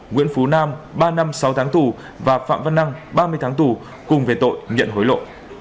nguyễn phú nam ba năm sáu tháng tù và phạm văn năng ba mươi tháng tù cùng về tội nhận hối lộ